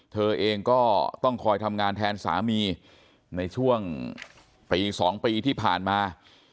เธอเองก็ต้องคอยทำงานแทนสามีในช่วงปี๒ปีที่ผ่านมา